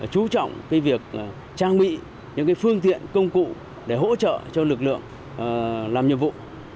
chú trọng việc trang bị những phương tiện công cụ để hỗ trợ cho lực lượng làm nhiệm vụ